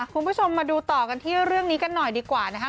คุณผู้ชมมาดูต่อกันที่เรื่องนี้กันหน่อยดีกว่านะคะ